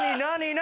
何？